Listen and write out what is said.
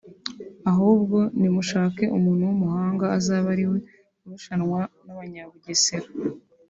ahubwo nimushake umuntu w’umuhanga azabe ari we urushanwa n’Abanyabugesera